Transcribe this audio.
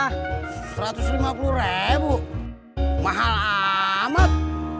nah satu ratus lima puluh ribu mahal amat